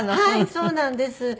はいそうなんです。